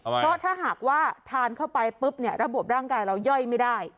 เพราะถ้าหากว่าทานเข้าไปปุ๊บเนี่ยระบบร่างกายเราย่อยไม่ได้